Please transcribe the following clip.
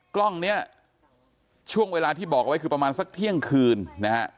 กล้องเนี่ยช่วงเวลาที่บอกเอาไว้คือประมาณสักเที่ยงคืนนะฮะ